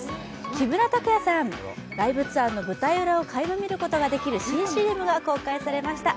木村拓哉さん、ライブツアーの舞台裏をかいま見ることができる新ＣＭが公開されました。